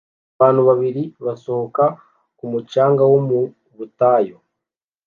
Abantu babiri basohoka ku mucanga wo mu butayu